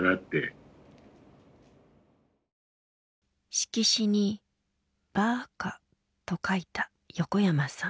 色紙に「バーカ」と書いた横山さん。